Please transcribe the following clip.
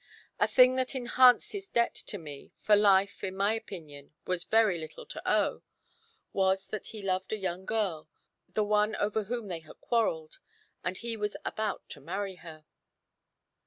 A thing that enhanced his debt to me for life, in my opinion, is very little to owe was that he loved a young girl, the one over whom they had quarrelled, and he was about to marry her.